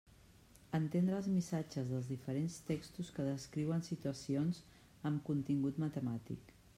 Entendre els missatges dels diferents textos que descriuen situacions amb contingut matemàtic.